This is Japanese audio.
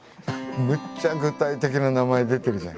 めっちゃ具体的な名前出てるじゃん。